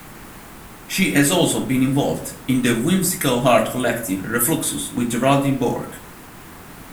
She has also been involved in the whimsical art collective Refluxus with Geraldine Burke.